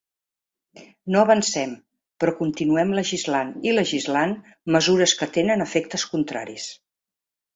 No avancem, però continuem legislant i legislant mesures que tenen efectes contraris.